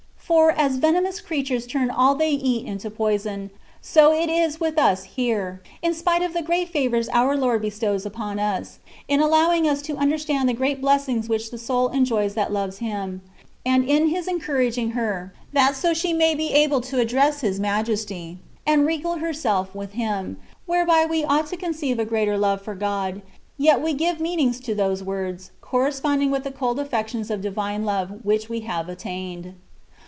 For, as venomous creatures turn all they eat into poison, so it is with us here, in spite of the great favours our Lord bestows CONCEPTIONS OF DIVINE LOVE. 227 upon us^ in allowing ns to understand the great blessings which the soul enjoys that loves Him^ and in His encouraging her^ that so she may be able to address His Majesty, and regale herself with Him, whereby we ought to conceive a greater love for God, yet we give meanings to those words, corresponding with the cold affections of divine love which we have attained.